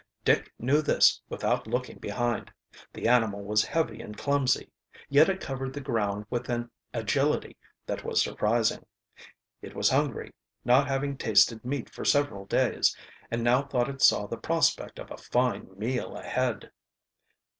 Dick knew this without looking behind. The animal was heavy and clumsy, yet it covered the ground with an agility that was surprising. It was hungry, not having tasted meat for several days, and now thought it saw the prospect of a fine meal ahead.